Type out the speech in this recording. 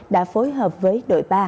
đã phối hợp với đội ba